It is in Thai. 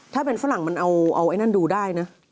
ถ้าเป็นฝรั่งมันเอาไอ้นั่นดูได้นะ